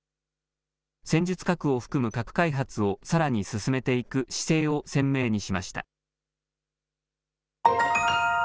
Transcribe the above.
戦術核を含む核開発をさらに進めていく姿勢を鮮明にしました。